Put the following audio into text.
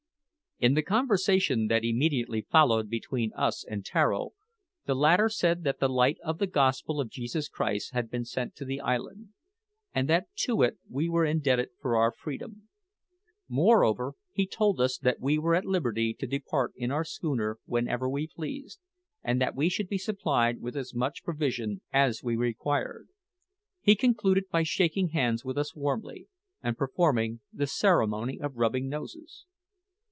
In the conversation that immediately followed between us and Tararo, the latter said that the light of the Gospel of Jesus Christ had been sent to the island, and that to it we were indebted for our freedom. Moreover, he told us that we were at liberty to depart in our schooner whenever we pleased, and that we should be supplied with as much provision as we required. He concluded by shaking hands with us warmly, and performing the ceremony of rubbing noses.